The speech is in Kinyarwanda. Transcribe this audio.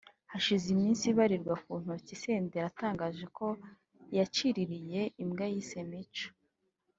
Hashize iminsi ibarirwa ku ntoki Senderi atangaje ko yaciririye [yaguze] imbwa yise ‘Mico’